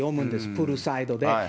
プールサイドで。